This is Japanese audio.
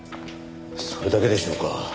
それだけでしょうか。